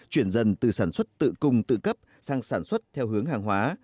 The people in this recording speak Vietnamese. chuyển dần từ sản xuất tự cung tự cấp sang sản xuất theo hướng hàng hóa